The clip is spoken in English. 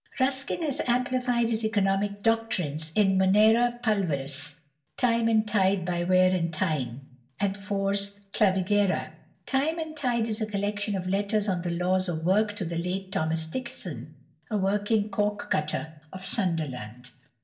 Ruskin has amplified his economic doctrines in "Munera Pulveris," "Time and Tide by Wear and Tyne," and "Fors Clavigera." "Time and Tide" is a collection of letters on the laws of work to the late Thomas Dixon, a working corkcutter of Sunderland.